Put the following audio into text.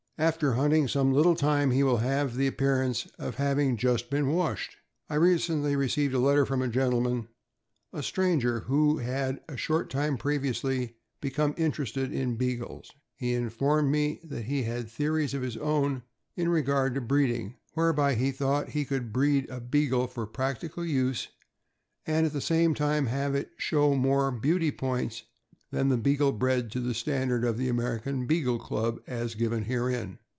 After hunting some lit tle time he will have the appearance of having just been washed. I recently received a letter from a gentleman, a stranger, who had a short time previously become interested in Bea gles. He informed me that he had theories of his own in regard to breeding, whereby he thought he could breed a Beagle for practical use and at the same time have it show more beauty points than the Beagle bred to the standard of the American Beagle Club as given herein..